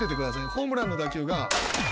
ホームランの打球が。